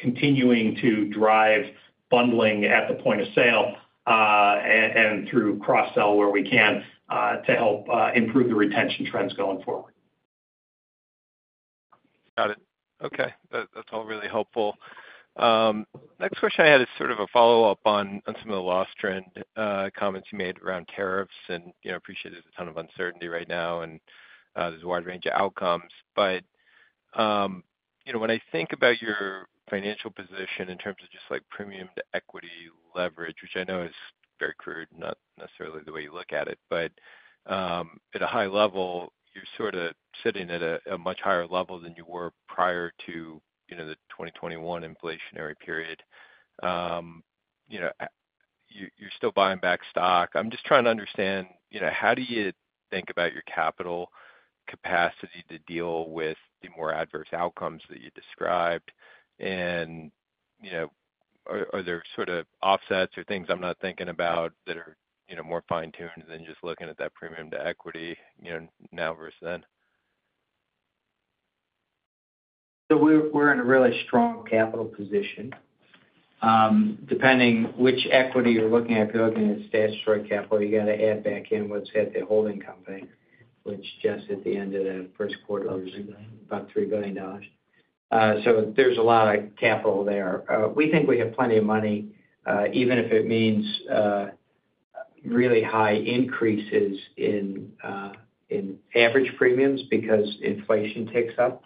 continuing to drive bundling at the point of sale, and through cross-sell where we can to help improve the retention trends going forward. Got it. Okay. That's all really helpful. Next question I had is sort of a follow-up on some of the loss trend comments you made around tariffs. I appreciate there's a ton of uncertainty right now, and there's a wide range of outcomes. When I think about your financial position in terms of just premium to equity leverage, which I know is very crude, not necessarily the way you look at it, but at a high level, you're sort of sitting at a much higher level than you were prior to the 2021 inflationary period. You're still buying back stock. I'm just trying to understand how do you think about your capital capacity to deal with the more adverse outcomes that you described? Are there sort of offsets or things I'm not thinking about that are more fine-tuned than just looking at that premium to equity now versus then? We're in a really strong capital position. Depending which equity you're looking at, if you're looking at statutory capital, you got to add back in what's at the holding company, which just at the end of the first quarter was about $3 billion. There's a lot of capital there. We think we have plenty of money, even if it means really high increases in average premiums because inflation ticks up.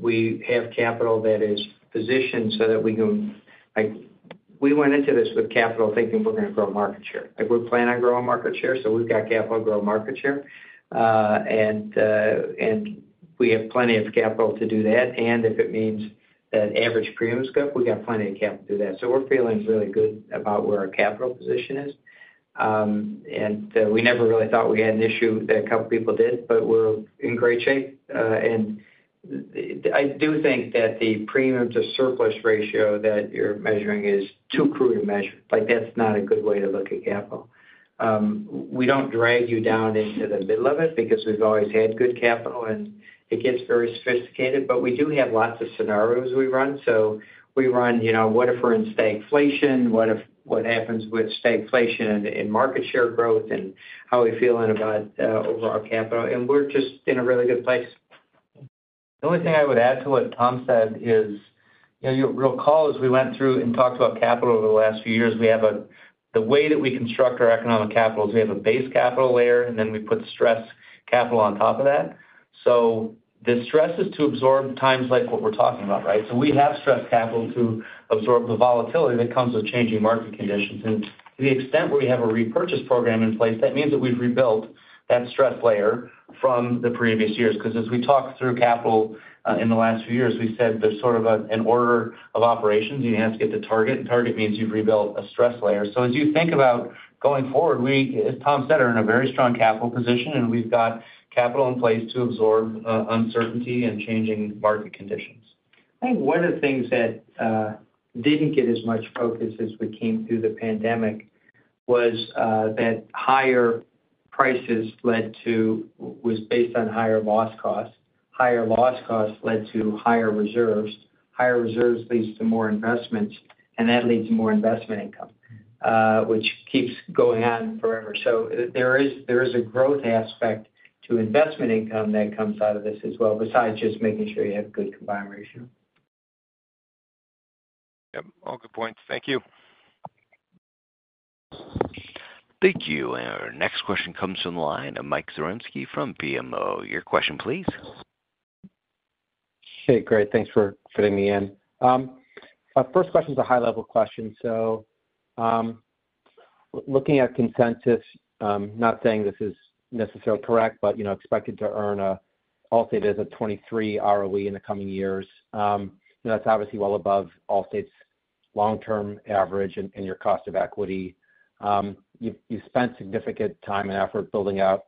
We have capital that is positioned so that we can—we went into this with capital thinking we're going to grow market share. We're planning on growing market share. We've got capital to grow market share. We have plenty of capital to do that. If it means that average premiums go up, we've got plenty of capital to do that. We're feeling really good about where our capital position is. We never really thought we had an issue. A couple of people did, but we're in great shape. I do think that the premium to surplus ratio that you're measuring is too crude a measure. That's not a good way to look at capital. We don't drag you down into the middle of it because we've always had good capital, and it gets very sophisticated. We do have lots of scenarios we run. We run, what if we're in stagflation? What happens with stagflation and market share growth and how are we feeling about overall capital? We're just in a really good place. The only thing I would add to what Tom said is you'll recall as we went through and talked about capital over the last few years, the way that we construct our economic capital is we have a base capital layer, and then we put stress capital on top of that. The stress is to absorb times like what we're talking about, right? We have stress capital to absorb the volatility that comes with changing market conditions. To the extent where we have a repurchase program in place, that means that we've rebuilt that stress layer from the previous years. As we talked through capital in the last few years, we said there's sort of an order of operations, and you have to get to target. Target means you've rebuilt a stress layer. As you think about going forward, as Tom said, we're in a very strong capital position, and we've got capital in place to absorb uncertainty and changing market conditions. I think one of the things that did not get as much focus as we came through the pandemic was that higher prices was based on higher loss costs. Higher loss costs led to higher reserves. Higher reserves leads to more investments, and that leads to more investment income, which keeps going on forever. There is a growth aspect to investment income that comes out of this as well, besides just making sure you have good combined ratio. Yep. All good points. Thank you. Thank you. Our next question comes from Michael Zaremski from BMO. Your question, please. Hey, great. Thanks for fitting me in. First question is a high-level question. Looking at consensus, not saying this is necessarily correct, but expected to earn Allstate as a 23% ROE in the coming years. That's obviously well above Allstate's long-term average and your cost of equity. You've spent significant time and effort building out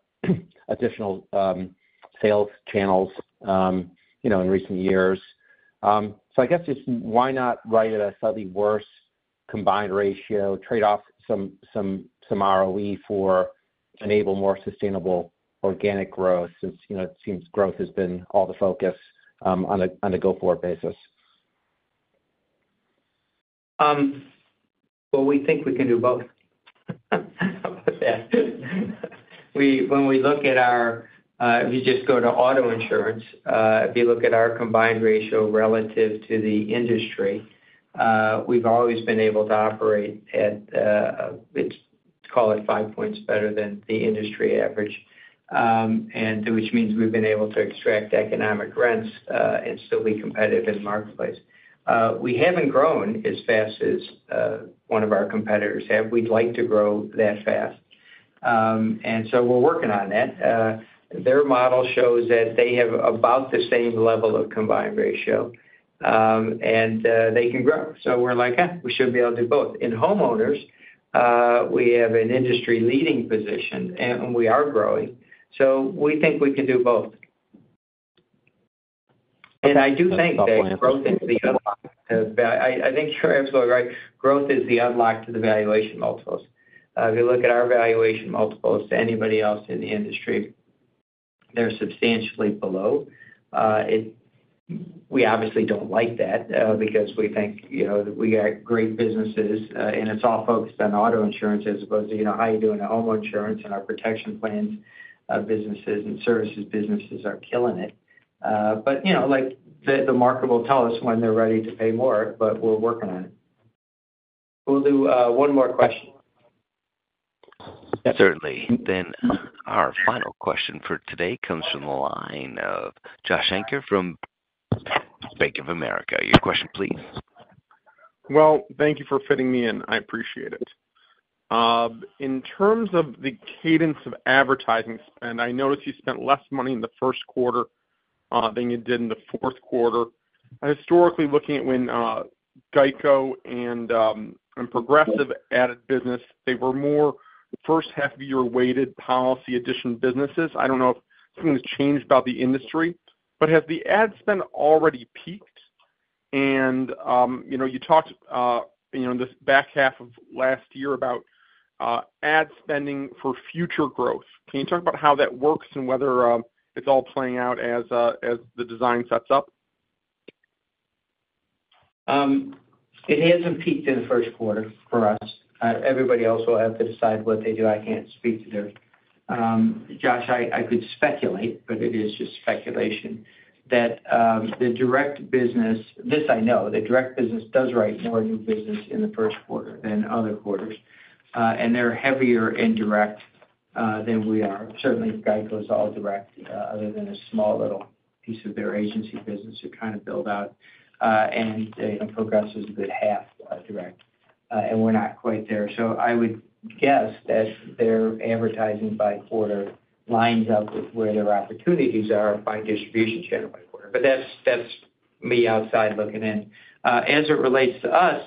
additional sales channels in recent years. I guess just why not write at a slightly worse combined ratio, trade off some ROE for enable more sustainable organic growth since it seems growth has been all the focus on a go-forward basis? We think we can do both. When we look at our—if you just go to auto insurance, if you look at our combined ratio relative to the industry, we've always been able to operate at—let's call it five points better than the industry average, which means we've been able to extract economic rents and still be competitive in the marketplace. We haven't grown as fast as one of our competitors have. We'd like to grow that fast. We are working on that. Their model shows that they have about the same level of combined ratio, and they can grow. We are like, "Hey, we should be able to do both." In homeowners, we have an industry-leading position, and we are growing. We think we can do both. I do think that growth is the unlock to—I think you're absolutely right. Growth is the unlock to the valuation multiples. If you look at our valuation multiples to anybody else in the industry, they're substantially below. We obviously don't like that because we think we got great businesses, and it's all focused on auto insurance as opposed to how you're doing the home insurance and our protection plans. Businesses and services businesses are killing it. The market will tell us when they're ready to pay more, but we're working on it. We'll do one more question. Certainly. Our final question for today comes from the line of Josh Shanker from Bank of America. Your question, please. Thank you for fitting me in. I appreciate it. In terms of the cadence of advertising spend, I noticed you spent less money in the first quarter than you did in the fourth quarter. Historically, looking at when GEICO and Progressive added business, they were more first-half-year-weighted policy-addition businesses. I do not know if something has changed about the industry, but has the ad spend already peaked? You talked in the back half of last year about ad spending for future growth. Can you talk about how that works and whether it is all playing out as the design sets up? It has not peaked in the first quarter for us. Everybody else will have to decide what they do. I cannot speak to theirs. Josh, I could speculate, but it is just speculation that the direct business—this I know—the direct business does write more new business in the first quarter than other quarters. They are heavier in direct than we are. Certainly, GEICO is all direct other than a small little piece of their agency business to kind of build out. Progressive is a good half direct. We are not quite there. I would guess that their advertising by quarter lines up with where their opportunities are by distribution channel by quarter. That is me outside looking in. As it relates to us,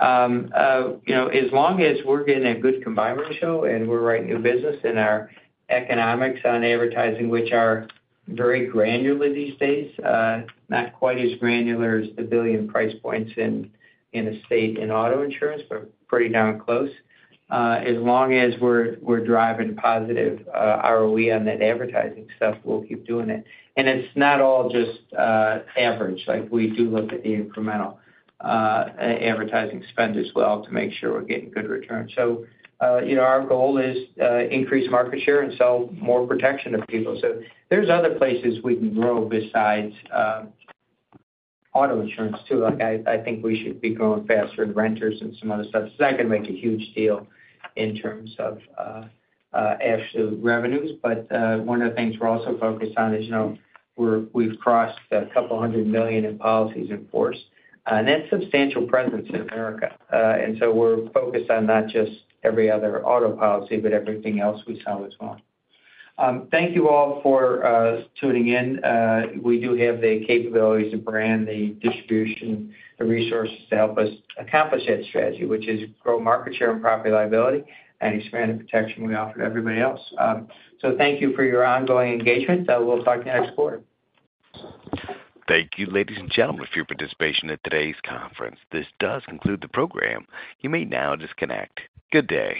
as long as we're getting a good combined ratio and we're writing new business and our economics on advertising, which are very granular these days, not quite as granular as the billion price points in estate and auto insurance, but pretty darn close. As long as we're driving positive ROE on that advertising stuff, we'll keep doing it. It's not all just average. We do look at the incremental advertising spend as well to make sure we're getting good returns. Our goal is to increase market share and sell more protection to people. There are other places we can grow besides auto insurance too. I think we should be growing faster in renters and some other stuff. It's not going to make a huge deal in terms of actual revenues. One of the things we're also focused on is we've crossed a couple hundred million in policies in force. That is substantial presence in America. We're focused on not just every other auto policy, but everything else we sell as well. Thank you all for tuning in. We do have the capabilities to brand the distribution, the resources to help us accomplish that strategy, which is grow market share in property liability and expand the protection we offer to everybody else. Thank you for your ongoing engagement. We'll talk to you next quarter. Thank you, ladies and gentlemen, for your participation in today's conference. This does conclude the program. You may now disconnect. Good day.